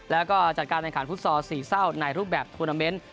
แล้วก็จัดการแข่งขันฟุตซอลสี่เศร้าในรูปแบบทวนาเมนต์